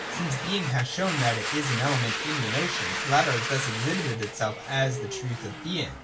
Since being has shown that it is an element in the notion, the latter has thus exhibited itself as the truth of being.